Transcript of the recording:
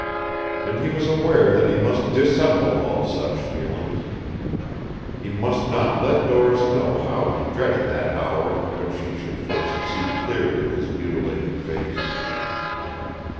And he was aware that he must dissemble all such feelings. He must not let Doris know how he dreaded that hour in which she should first see clearly his mutilated face.